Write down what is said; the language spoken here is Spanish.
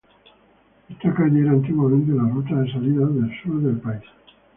Esta calle era antiguamente la ruta de salida al sur del país.